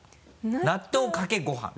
納豆かけご飯。